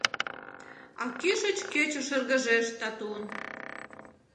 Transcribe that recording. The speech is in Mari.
А кӱшыч кече шыргыжеш татун.